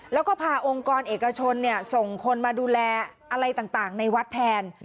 แล้วก็พาองค์กรเอกชนส่งคนมาดูแลอะไรต่างในวัดแทน